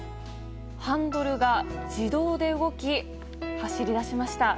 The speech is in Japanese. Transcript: ハンドルが自動で動き走り出しました。